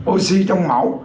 oxy trong máu